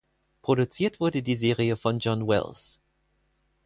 Produziert wurde die Serie von John Wells.